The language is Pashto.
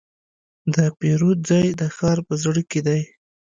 د پیرود ځای د ښار په زړه کې دی.